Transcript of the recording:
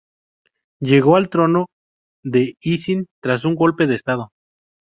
Llegó al trono de Isin tras un golpe de Estado.